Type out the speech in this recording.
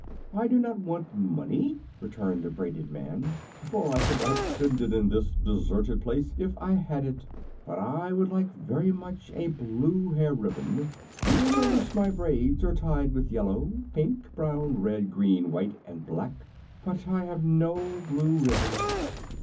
"I do not want money," returned the braided man, "for I could not spend it in this deserted place if I had it. But I would like very much a blue hair ribbon. You will notice my braids are tied with yellow, pink, brown, red, green, white and black; but I have no blue ribbons."